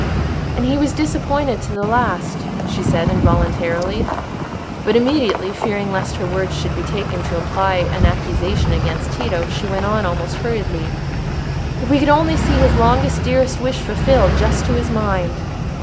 "And he was disappointed to the last," she said, involuntarily. But immediately fearing lest her words should be taken to imply an accusation against Tito, she went on almost hurriedly, "If we could only see his longest, dearest wish fulfilled just to his mind!"